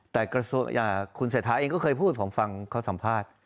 แต่กระทรวงคุณเสถาเองก็เคยพูดผมฟังข้อสัมภาษณ์